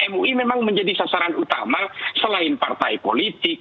mui memang menjadi sasaran utama selain partai politik